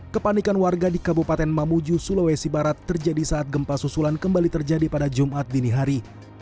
kepanikan warga di kabupaten mamuju sulawesi barat terjadi saat gempa susulan kembali terjadi pada jumat dini hari